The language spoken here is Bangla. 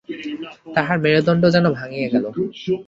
তাঁহার মেরুদণ্ড যেন ভাঙিয়া গেল।